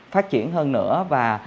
phát triển hơn nữa và